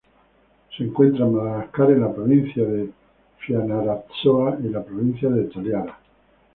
Se encuentra en Madagascar en la Provincia de Fianarantsoa y la Provincia de Toliara.